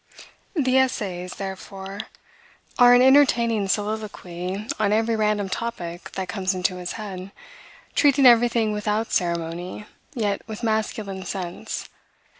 The Essays, therefore, are an entertaining soliloquy on every random topic that comes into his head; treating everything without ceremony, yet with masculine sense.